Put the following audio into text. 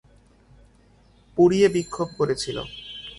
পুড়িয়ে বিক্ষোভ করেছিল।